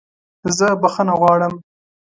زه بخښنه غواړم!